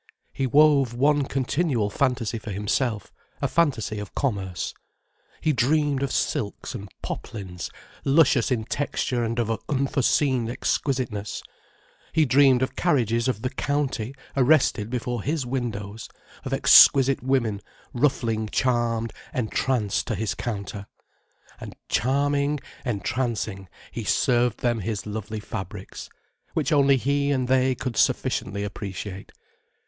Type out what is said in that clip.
He wove one continual fantasy for himself, a fantasy of commerce. He dreamed of silks and poplins, luscious in texture and of unforeseen exquisiteness: he dreamed of carriages of the "County" arrested before his windows, of exquisite women ruffling charmed, entranced to his counter. And charming, entrancing, he served them his lovely fabrics, which only he and they could sufficiently appreciate.